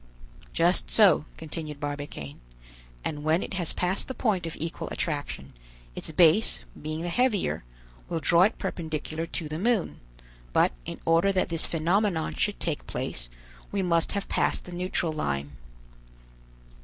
"Just so," continued Barbicane; "and when it has passed the point of equal attraction, its base, being the heavier, will draw it perpendicularly to the moon; but, in order that this phenomenon should take place, we must have passed the neutral line."